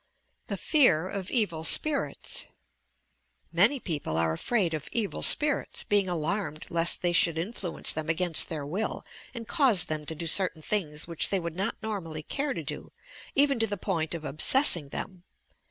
n TOUR PSYCHIC POWERS TUB FEAH OP EVIL SPIRITS Many people are afraid of "evil spirits," being alarmed lest they should influence them against their will and cause them to do certain things which they would not normally care to do, even to the point of obsessing them.